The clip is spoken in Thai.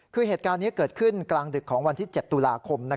คือเหตุการณ์นี้เกิดขึ้นกลางดึกของวันที่๗ตุลาคม